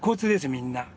みんな。